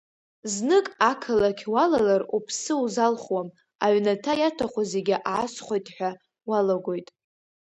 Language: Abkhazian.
Знык ақалақь уалалар уԥсы узалхуам, аҩнаҭа иаҭаху зегьы аасхәоит хәа уалагоит.